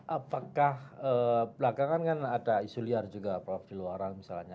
apakah belakangan kan ada isu liar juga prof di luar misalnya